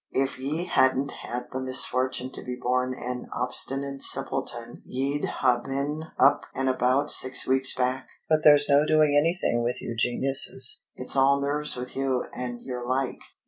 If ye hadn't had the misfortune to be born an obstinate simpleton ye'd ha' been up and about six weeks back. But there's no doing anything with you geniuses. It's all nerves with you and your like."